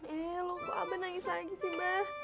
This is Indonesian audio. eh lupa abah nangis lagi sih mba